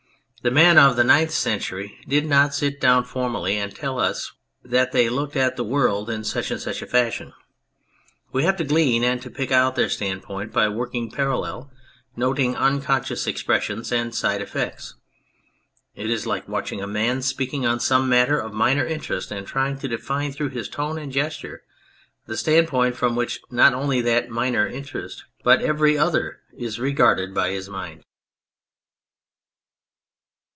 The men of the Ninth Century did not sit down formally and tell us that they looked at the world in such and such a fashion. We have to glean and to pick out their standpoint by working parallel, noting un conscious expressions and side effects. It is like watching a man speaking on some matter of minor interest and trying to define through his tone and gesture the standpoint from which not only that minor interest, but every other, is regarded by his mind.